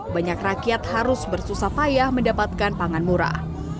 banyak rakyat harus bersusah payah mendapatkan pangan murah